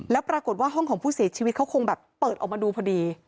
แล้วปรากฏว่าห้องของผู้เสียชีวิตเขาคงแบบเปิดออกมาดูพอดี